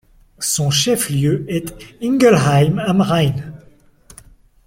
Son chef lieu est Ingelheim am Rhein.